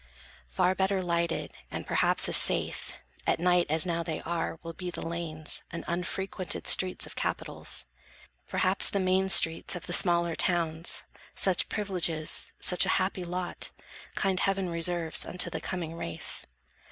Far better lighted, and perhaps as safe, At night, as now they are, will be the lanes And unfrequented streets of Capitals; Perhaps, the main streets of the smaller towns. Such privileges, such a happy lot, Kind heaven reserves unto the coming race.